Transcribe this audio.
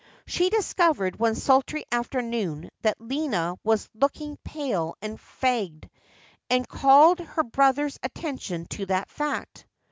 She discovered, one sultry afternoon, that Lina was looking pale and fagged, and called her brother's attention to that fact.